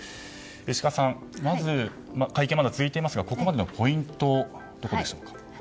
石川さん会見はまだ続いていますがここまでのポイントはどうでしょうか。